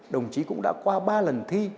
đồng chí cũng đã qua ba lần thi